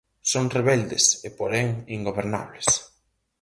Son rebeldes, e porén, ingobernables.